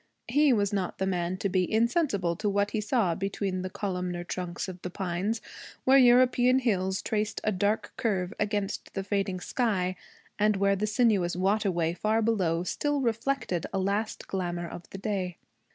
He was not the man to be insensible to what he saw between the columnar trunks of the pines, where European hills traced a dark curve against the fading sky, and where the sinuous waterway far below still reflected a last glamour of the day.